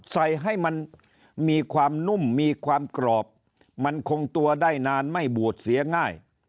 ใส่ให้มันมีความนุ่มมีความกรอบมันคงตัวได้นานไม่บูดเสียง่าย